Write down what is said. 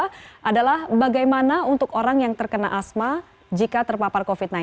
pertama adalah bagaimana untuk orang yang terkena asma jika terpapar covid sembilan belas